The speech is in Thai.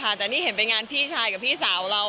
แต่อันนี้นี่เห็นไปงานพี่ชายกะพี่สาวเรา